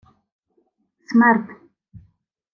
— Смерд!